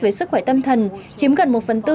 về sức khỏe tâm thần chiếm gần một phần tư